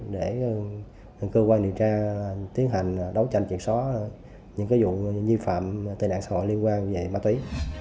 để cơ quan điều tra tiến hành đấu tranh triệt só những cái vụ nhiên phạm tình ảnh xã hội liên quan về ma túy